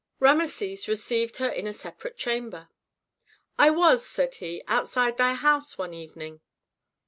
Rameses received her in a separate chamber. "I was," said he, "outside thy house one evening."